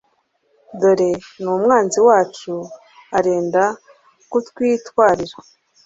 dore n'umwanzi wacu arenda kutwitwarira